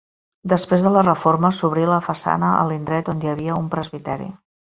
Després de les reformes s'obrí la nova façana a l'indret on hi havia un presbiteri.